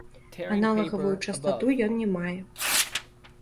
Аналагавую частату ён не мае.